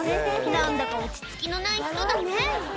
何だか落ち着きのない人だね